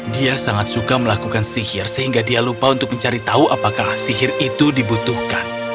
dia sangat suka melakukan sihir sehingga dia lupa untuk mencari tahu apakah sihir itu dibutuhkan